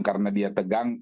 karena dia tegang